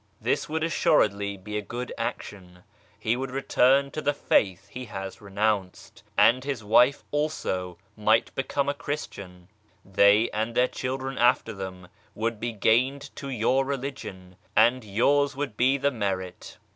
This would assuredly be a good action : he would return to the faith he has renounced, and his wife also might become a Christian ; they and their children after them would be gained to your religion, and yours would be the merit.